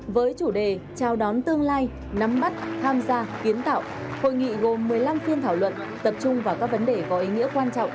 với chủ đề chào đón tương lai nắm bắt tham gia kiến tạo hội nghị gồm một mươi năm phiên thảo luận tập trung vào các vấn đề có ý nghĩa quan trọng